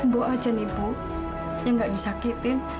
bu aja nih bu yang gak disakitin